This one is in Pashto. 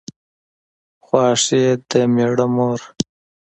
خواښې د مېړه مور